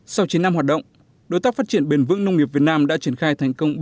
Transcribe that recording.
sau chín năm hoạt động đối tác phát triển bền vững nông nghiệp việt nam đã triển khai thành công